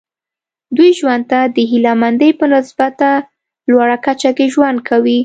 دوی ژوند ته د هیله مندۍ په نسبتا لوړه کچه کې ژوند کوي.